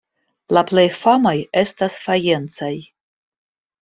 La plej famaj estas fajencaj.